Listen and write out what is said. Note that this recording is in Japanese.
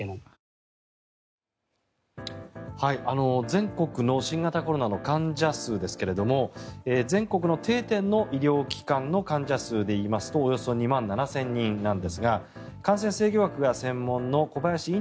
全国の新型コロナの患者数ですが全国の定点の医療機関の患者数で言いますとおよそ２万７０００人なんですが感染制御学が専門の小林寅